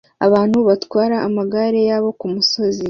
abantu batwara amagare yabo kumusozi